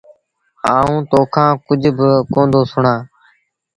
آئوٚݩ تو کآݩ ڪجھ با ڪوندو سُڻآݩ۔